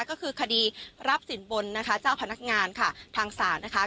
ก็คือคดีรับสินบนนะคะเจ้าพนักงานค่ะทางศาลนะคะ